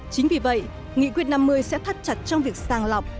chính vì vậy nghị quyết năm mươi sẽ thắt chặt trong việc sàng lọc